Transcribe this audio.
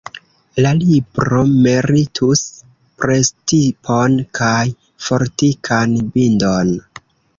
La libro meritus prestipon kaj fortikan bindon.